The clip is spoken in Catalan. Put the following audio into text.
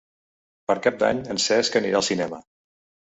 Per Cap d'Any en Cesc anirà al cinema.